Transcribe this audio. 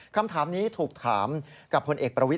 คำถามนี้ถูกถามกับพลเอกประวิทย